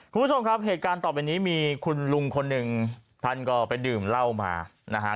คุณผู้ชมครับเหตุการณ์ต่อไปนี้มีคุณลุงคนหนึ่งท่านก็ไปดื่มเหล้ามานะฮะ